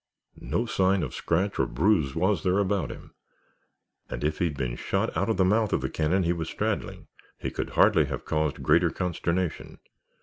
No sign of scratch or bruise was there about him, and if he had been shot out of the mouth of the cannon he was straddling he could hardly have caused greater consternation.